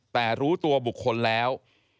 แต่รู้ตัวบุคคลแล้ว